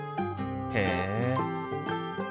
へえ！